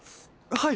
はい！